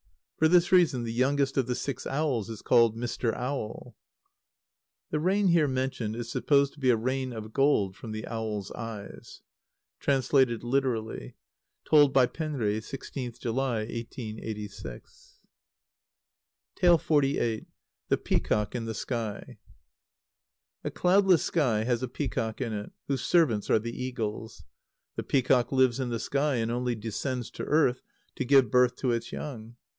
For this reason the youngest of the six owls is called "Mr. Owl." [The rain here mentioned is supposed to be a rain of gold from the owl's eyes.] (Translated literally. Told by Penri, 16th July, 1886.) xlviii. The Peacock in the Sky. A cloudless sky has a peacock in it, whose servants are the eagles. The peacock lives in the sky, and only descends to earth to give birth to its young.